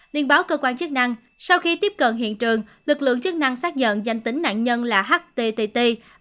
nên báo cơ quan chức năng sau khi tiếp cận hiện trường lực lượng chức năng xác nhận danh tính nạn nhân là htt